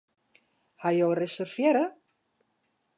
Hawwe jo reservearre?